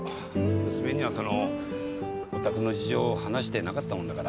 娘にはそのおたくの事情話してなかったもんだから。